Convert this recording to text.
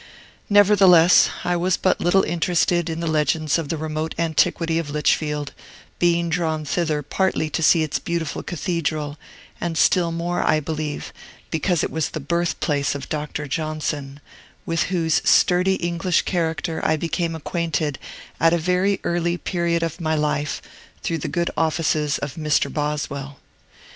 Nevertheless, I was but little interested in the legends of the remote antiquity of Lichfield, being drawn thither partly to see its beautiful cathedral, and still more, I believe, because it was the birthplace of Dr. Johnson, with whose sturdy English character I became acquainted, at a very early period of my life, through the good offices of Mr. Boswell.